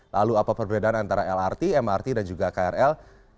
lalu apa perbedaan antara lrt mrt dan juga krl